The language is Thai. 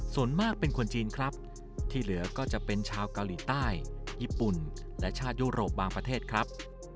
ส่วนมากเป็นคนจีนครับที่เหลือก็จะเป็นชาวเกาหลีใต้ญี่ปุ่นและชาติยุโรปบางประเทศครับ